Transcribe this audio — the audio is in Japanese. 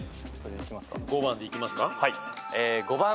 ５番でいきますか？